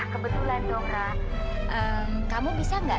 di sini invert gulung using untuk bapak